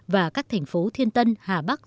và các thành phố thiên tân hà bắc